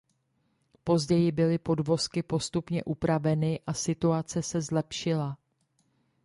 Později byly podvozky postupně upraveny a situace se zlepšila.